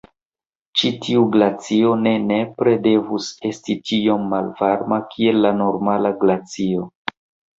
Ĉi tiu glacio ne nepre devus esti tiom malvarma kiel la normala glacio.